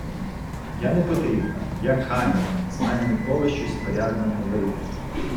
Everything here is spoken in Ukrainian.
Я непотрібна, я камінь, з мене ніколи щось порядне не вийде!